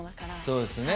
そうですね。